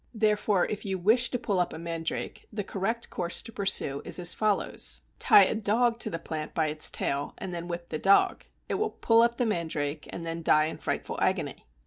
Therefore, if you wish to pull up a mandrake, the correct course to pursue is as follows: Tie a dog to the plant by its tail, and then whip the dog. It will pull up the mandrake, and then die in frightful agony!